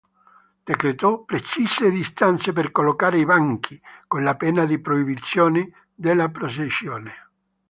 Decretò precise distanze per collocare i banchi, con la pena di proibizione della processione.